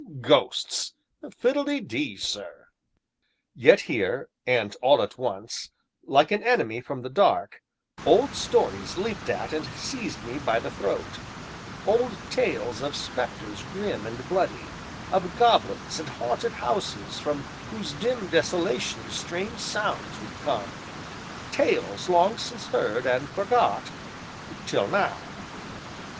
Ghosts fiddle de dee, Sir! Yet here, and all at once, like an enemy from the dark, old stories leaped at and seized me by the throat: old tales of spectres grim and bloody, of goblins, and haunted houses from whose dim desolation strange sounds would come; tales long since heard, and forgot till now.